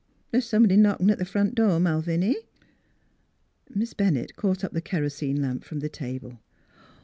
... The's somebody a knockin' at th' front door, Malviny." Miss Bennett caught up the kerosene lamp from the table.